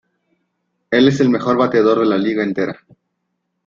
Él es el mejor bateador de la liga entera.